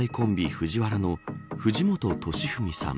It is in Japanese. ＦＵＪＩＷＡＲＡの藤本敏史さん。